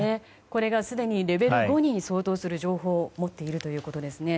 これがすでにレベル５に相当する情報を持っているということですね。